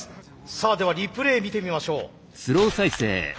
さあではリプレー見てみましょう。